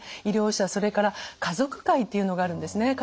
医療者それから家族会っていうのがあるんですね。